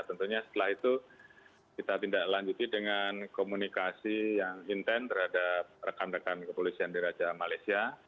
tentunya setelah itu kita tindak lanjuti dengan komunikasi yang intent terhadap rekan rekan kepolisian di raja malaysia